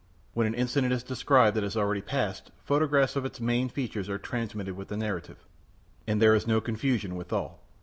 When an incident is described that is already past, photographs of its main features are transmitted with the narrative. And there is no confusion withal.